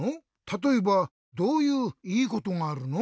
たとえばどういういいことがあるの？